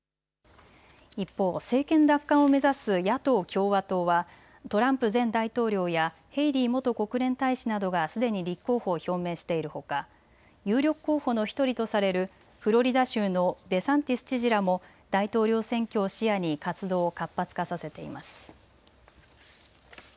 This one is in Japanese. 一方、政権奪還を目指す野党・共和党はトランプ前大統領やヘイリー元国連大使などがすでに立候補を表明しているほか有力候補の１人とされるフロリダ州のデサンティス知事らも大統領選挙を視野に活動を活発化させています。